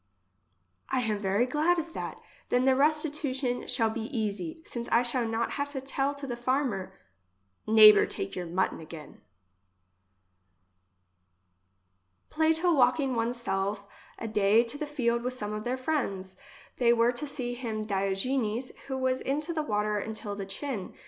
I am very glad of that ; then the restitution shall be easy, since I shall not have to tell to the farm er :" Neighbour take your mutton again.*' Plato walking one's self a day to the field with some of their friends. They were to see him Diogenes who was in to water untill the chin.